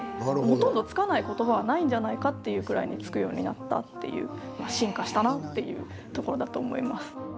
ほとんどつかない言葉はないんじゃないかっていうぐらいつくようになったっていう進化したなっていうところだと思います。